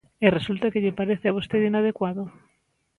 E resulta que lle parece a vostede inadecuado.